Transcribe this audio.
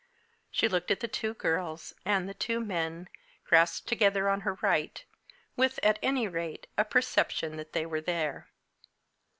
She looked at the two girls and the two men grasped together on her right, with, at any rate, a perception that they were there.